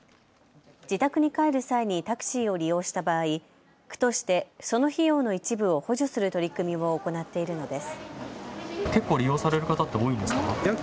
自宅に帰る際にタクシーを利用した場合、区としてその費用の一部を補助する取り組みを行っているのです。